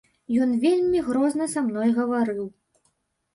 Ён вельмі грозна са мной гаварыў.